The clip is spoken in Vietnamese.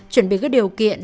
chuẩn bị các điều kiện